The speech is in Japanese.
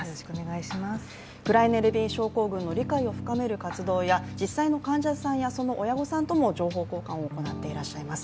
クライネ・レビン症候群の理解を深める活動や実際の患者さんやその親御さんとも情報交換を行っています。